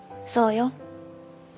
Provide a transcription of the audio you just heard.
そうよ。